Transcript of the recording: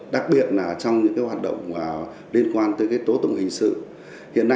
đặc biệt là trong những hoạt động liên quan tới tố tụng hình sự